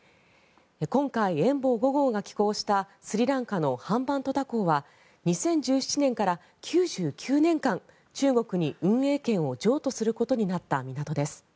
今回、「遠望５号」が寄港したスリランカのハンバントタ港は２０１７年から９９年間中国に運営権を譲渡することになった港です。